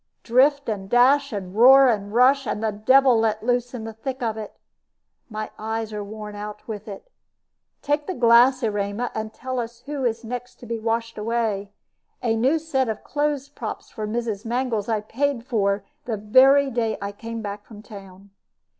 "Drift and dash, and roar and rush, and the devil let loose in the thick of it. My eyes are worn out with it. Take the glass, Erema, and tell us who is next to be washed away. A new set of clothes props for Mrs. Mangles I paid for the very day I came back from town."